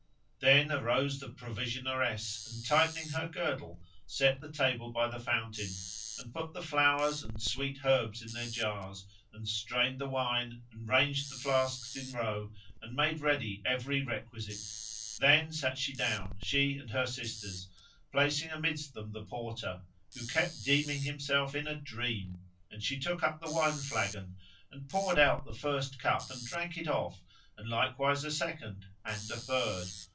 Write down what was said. Then arose the provisioneress and tightening her girdle set the table by the fountain and put the flowers and sweet herbs in their jars, and strained the wine and ranged the flasks in row and made ready every requisite. Then sat she down, she and her sisters, placing amidst them the Porter who kept deeming himself in a dream; and she took up the wine flagon, and poured out the first cup and drank it off, and likewise a second and a third.